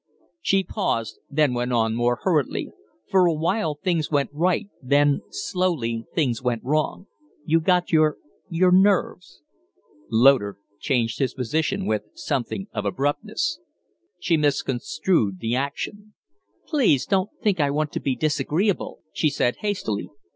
She paused, then went on more hurriedly: "For a while things went right; then slowly things, went wrong. You got your your nerves." Loder changed his position with something of abruptness. She misconstrued the action. "Please don't think I want to be disagreeable," she said, hastily.